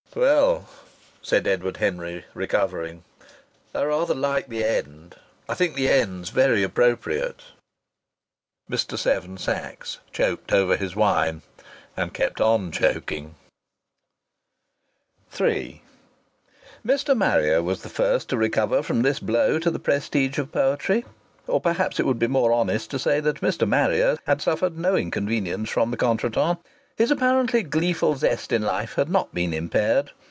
'" "Well," said Edward Henry, recovering, "I rather like the end. I think the end's very appropriate." Mr. Seven Sachs choked over his wine, and kept on choking. III Mr.. Marrier was the first to recover from this blow to the prestige of poetry. Or perhaps it would be more honest to say that Mr.. Marrier had suffered no inconvenience from the contretemps. His apparent gleeful zest in life had not been impaired.